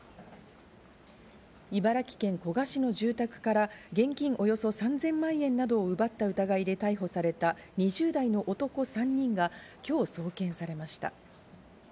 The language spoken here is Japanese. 茨城県古河市の住宅から現金およそ３０００万円などを奪った疑いで逮捕された、２０代の男３人が今日、送検されました。